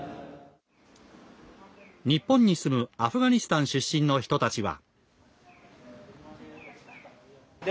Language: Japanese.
日本に住むアフガニスタン出身の人たちは。